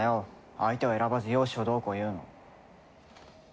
相手を選ばず容姿をどうこう言うの。